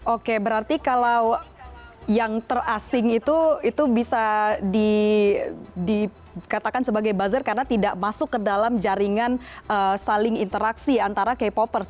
oke berarti kalau yang terasing itu bisa dikatakan sebagai buzzer karena tidak masuk ke dalam jaringan saling interaksi antara k popers